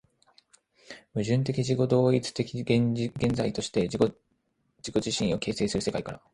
矛盾的自己同一的現在として自己自身を形成する世界から、